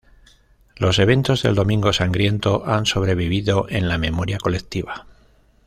Los eventos del Domingo Sangriento han sobrevivido en la memoria colectiva.